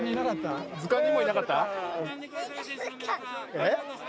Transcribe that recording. えっ？